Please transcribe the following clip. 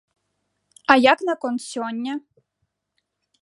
А як наконт сёння?